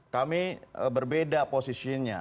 kami berbeda posisinya